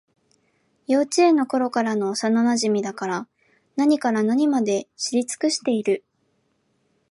幼稚園のころからの幼なじみだから、何から何まで知り尽くしている